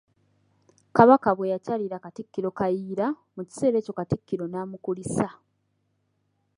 Kabaka bwe yakyalira Katikkiro Kayiira, mu kiseera ekyo, Katikkiro n'amukulisa.